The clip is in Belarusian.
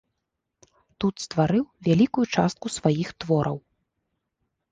Тут стварыў вялікую частку сваіх твораў.